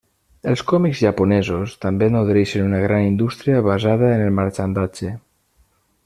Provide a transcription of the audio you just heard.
Els còmics japonesos també nodreixen una gran indústria basada en el marxandatge.